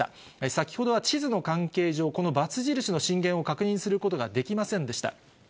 先ほどは地図の関係上、この×印の震源を確認することができませんでした。